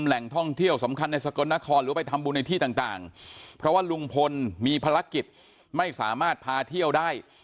แหล่งท่องเที่ยวสำคัญในสกลนครหรือไปทำบุญในที่ต่างเพราะว่าลุงพลมีภารกิจไม่สามารถพาเที่ยวได้